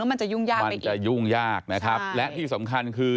แล้วมันจะยุ่งยากไปอีกใช่มันจะยุ่งยากนะครับและที่สำคัญคือ